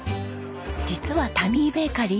実はタミーベーカリー